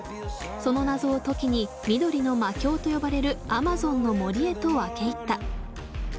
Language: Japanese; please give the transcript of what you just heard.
その謎を解きに緑の魔境と呼ばれるアマゾンの森へと分け入った。